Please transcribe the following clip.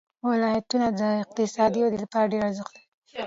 ولایتونه د اقتصادي ودې لپاره ډېر ارزښت لري.